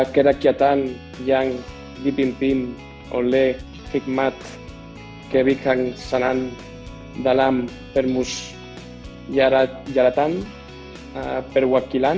kerakyatan yang dipimpin oleh hikmat kewikangsanaan dalam permus jalatan perwakilan